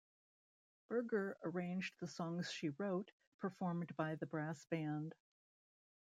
Berger arranged the songs she wrote, performed by the brass band.